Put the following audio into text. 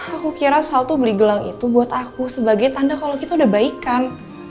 aku kira selalu tuh beli gelang itu buat aku sebagai tanda kalau kita udah baik kan